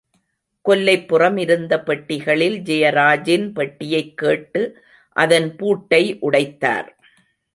கொல்லைப்புறம் இருந்த பெட்டிகளில் ஜெயராஜின் பெட்டியைக் கேட்டு, அதன் பூட்டை உடைத்தார்.